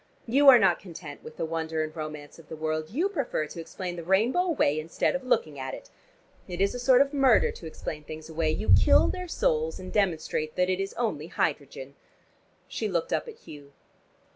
You are not content with the wonder and romance of the world, you prefer to explain the rainbow away instead of looking at it. It is a sort of murder to explain things away: you kill their souls, and demonstrate that it is only hydrogen." She looked up at Hugh.